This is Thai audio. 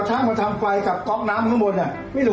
ก๊อคน้ำเสียซ่องก๊อคน้ำนิดหน่อยหน่อย